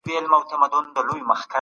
آیا د معدې درد د مسمومیت یوازینۍ نښه ده؟